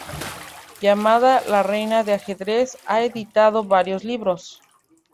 Llamada la "Reina de Ajedrez" ha editado varios libros.